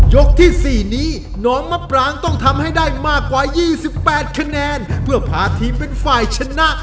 ที่๔นี้น้องมะปรางต้องทำให้ได้มากกว่า๒๘คะแนนเพื่อพาทีมเป็นฝ่ายชนะ